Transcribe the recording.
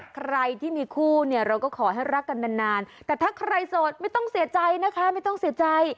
ใครที่มีคู่เนี่ยเราก็ขอให้รักกันนานแต่ถ้าใครโสดไม่ต้องเสียใจนะคะไม่ต้องเสียใจ